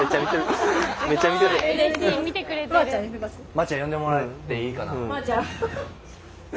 まーちゃん呼んでもらっていいかな。